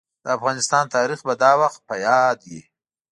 د افغانستان تاريخ به دا وخت په ياد وي.